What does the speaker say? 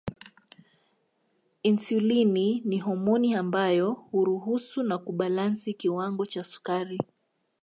Insulini ni homoni ambayo huruhusu na kubalansi kiwango cha sukari